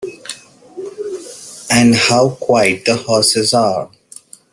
And how quiet the horses are!